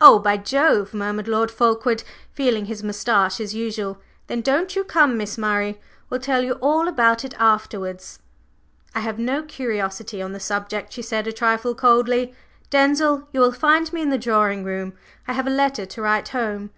"Oh, by Jove!" murmured Lord Fulkeward, feeling his moustache as usual. "Then don't you come, Miss Murray. We'll tell you all about it afterwards." "I have no curiosity on the subject," she said a trifle coldly. "Denzil, you will find me in the drawing room. I have a letter to write home."